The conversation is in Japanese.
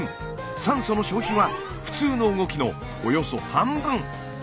酸素の消費は普通の動きのおよそ半分。